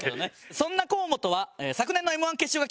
そんな河本は。